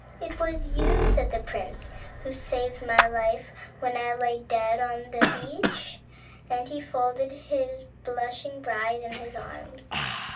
"It was you," said the prince, "who saved my life when I lay dead on the beach," and he folded his blushing bride in his arms.